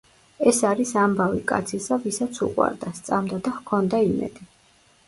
ეს არის „ამბავი კაცისა, ვისაც უყვარდა, სწამდა და ჰქონდა იმედი“.